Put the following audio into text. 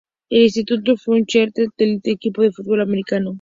En el instituto fue una cheerleader del equipo de fútbol americano.